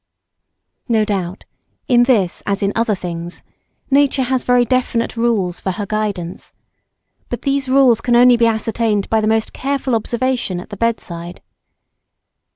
No doubt, in this as in other things, nature has very definite rules for her guidance, but these rules can only be ascertained by the most careful observation at the bedside.